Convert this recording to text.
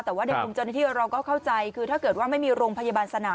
แต่ว่าในมุมเจ้าหน้าที่เราก็เข้าใจคือถ้าเกิดว่าไม่มีโรงพยาบาลสนาม